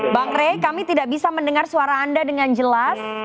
bang rey kami tidak bisa mendengar suara anda dengan jelas